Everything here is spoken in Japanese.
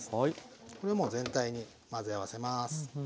これもう全体に混ぜ合わせます。